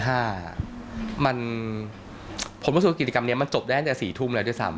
ผมรู้สึกว่ากิจกรรมนี้จบได้อันแต่๖๐๐นเลยด้วยซะ